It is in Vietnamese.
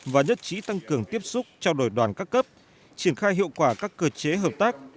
và nhất trí tăng cường tiếp xúc trao đổi đoàn các cấp triển khai hiệu quả các cơ chế hợp tác